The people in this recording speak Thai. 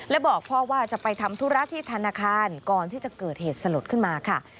และบอกพ่อว่าจะไปทำธุระที่ธนาคารก่อนที่จะเกิดเหตุสลดขึ้นมาค่ะ